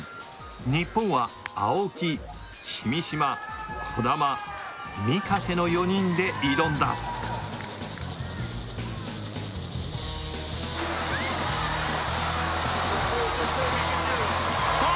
日本は青木君嶋兒玉御家瀬の４人で挑んださあ